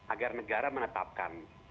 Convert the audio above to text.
agar negara menetapkan